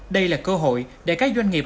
đây là cơ hội để các doanh nghiệp